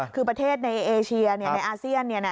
คือประเทศในเอเชียในอาเซียน